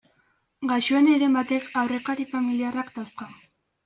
Gaixoen heren batek aurrekari familiarrak dauzka.